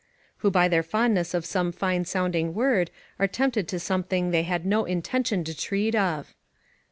["Who by their fondness of some fine sounding word, are tempted to something they had no intention to treat of."